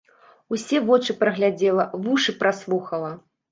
Усе вочы праглядзела, вушы праслухала.